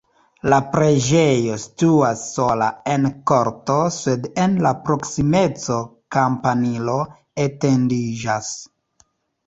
La preĝejo situas sola en korto, sed en la proksimeco kampanilo etendiĝas.